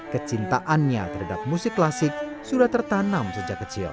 kecintaannya terhadap musik klasik sudah tertanam sejak kecil